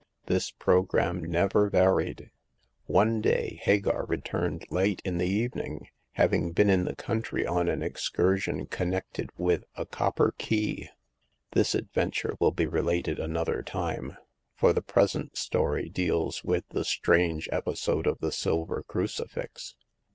This program never varied. One day Hagar returned late in the evening, having been in the country on an excursion con nected with a copper key. This adventure will be related another time, for the present story deals with the strange episode of the silver cru cifix.